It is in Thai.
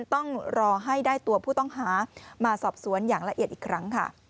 ต้องรอให้ได้ตัวผู้ต้องหามาสอบสวนอย่างละเอียดอีกครั้งค่ะ